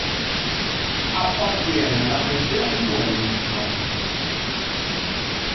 Appartiene alla contea di Wellington.